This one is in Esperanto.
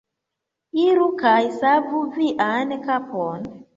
Iru kaj savu vian kapon!